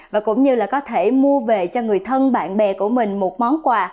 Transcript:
và cũng như là có thể mua về cho người thân bạn bè của mình một món quà